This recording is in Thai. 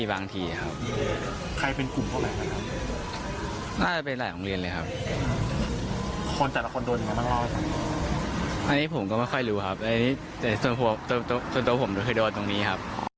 อันนี้ผมก็ไม่ค่อยรู้ครับแต่ส่วนตัวผมเคยโดนตรงนี้ครับ